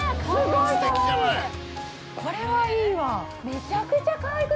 ◆これはいいわ！